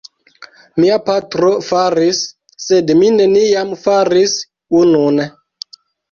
Mia patro faris, sed mi neniam faris unun.